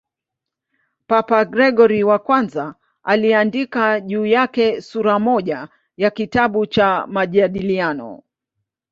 Papa Gregori I aliandika juu yake sura moja ya kitabu cha "Majadiliano".